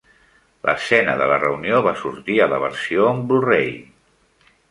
L'escena de la reunió va sortir a la versió en Blu-ray.